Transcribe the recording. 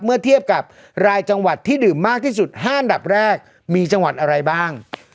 เมื่อเทียบกับรายจังหวัดที่ดื่มมากที่สุด๕อันดับแรกมีจังหวัดอะไรบ้าง